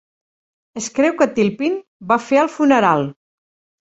Es creu que Tilpin va fer el funeral.